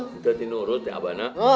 kita tenurut abah nak